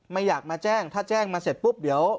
ไม่อยากมาแจ้งถ้าแจ้งมาเสร็จปุ๊บเดี๋ยว